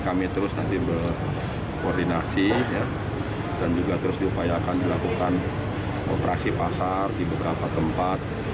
kami terus nanti berkoordinasi dan juga terus diupayakan dilakukan operasi pasar di beberapa tempat